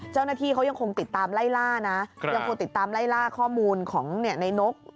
เจ้าหน้าที่เขายังคงติดตามไล่ล่านะยังคงติดตามไล่ล่าข้อมูลของในนก